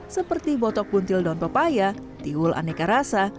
seperti botok buntil daun pepaya tiwul aneka rasa